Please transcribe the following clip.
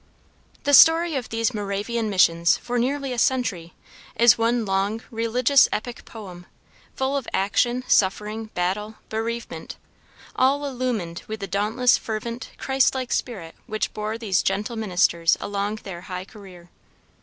The story of these Moravian Missions for nearly a century is one long religious epic poem, full of action, suffering, battle, bereavement, all illumined with the dauntless, fervent, Christ like spirit which bore these gentle ministers along their high career.